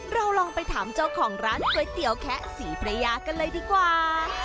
เราลองไปถามเจ้าของร้านก๋วยเตี๋ยวแคะศรีพระยากันเลยดีกว่า